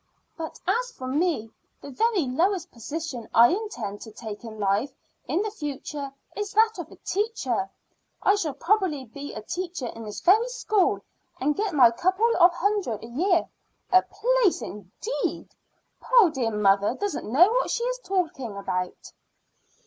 But as for me, the very lowest position I intend to take in life in the future is that of a teacher. I shall probably be a teacher in this very school, and get my couple of hundred a year. A place indeed! Poor dear mother doesn't know what she is talking about."